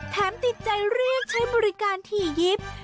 ติดใจเรียกใช้บริการถี่ยิบ